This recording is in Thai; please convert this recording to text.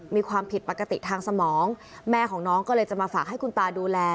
มีความผิดปกติทางสมองแม่ของน้องก็เลยจะมาฝากให้คุณตาดูแล